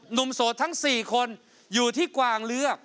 โสดทั้ง๔คนอยู่ที่กวางเลือก